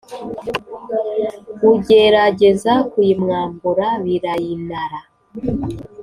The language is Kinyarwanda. ugerageza kuyimwambura birayinara